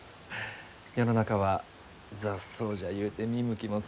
世の中は雑草じゃゆうて見向きもせんのに。